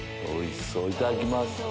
おいしそういただきます。